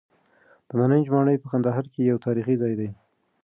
د نارنج ماڼۍ په کندهار کې یو تاریخي ځای دی.